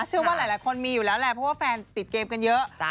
เชื่อว่าหลายคนมีอยู่แล้วแหละเพราะว่าแฟนติดเกมกันเยอะ